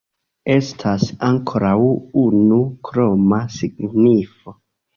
Estas ankoraŭ unu kroma signifo.